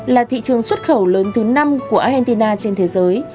việt nam là thị trường xuất khẩu lớn thứ năm của argentina trên thế giới